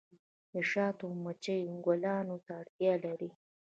د شاتو مچۍ ګلانو ته اړتیا لري